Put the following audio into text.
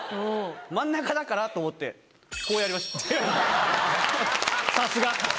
真ん中だからと思ってこうやりました。